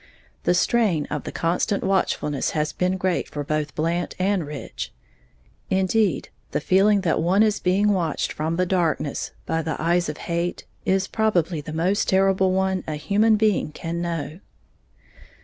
The strain of the constant watchfulness has been great for both Blant and Rich, indeed, the feeling that one is being watched from the darkness by the eyes of hate is probably the most terrible one a human being can know.